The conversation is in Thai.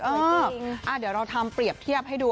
เดี๋ยวเราทำเปรียบเทียบให้ดู